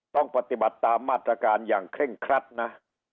ต้องปฏิบัติตามมาตรการอย่างเคร่งครัดนะ